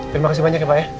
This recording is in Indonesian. terima kasih banyak ya pak ya